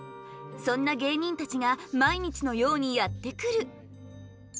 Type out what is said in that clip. そんな芸人たちが毎日のようにやって来る。